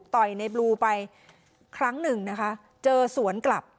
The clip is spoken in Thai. ต่อยในบลูไปครั้งหนึ่งนะคะเจอสวนกลับ